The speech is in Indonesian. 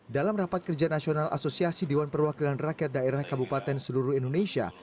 dalam rapat kerja nasional asosiasi dewan perwakilan rakyat daerah kabupaten seluruh indonesia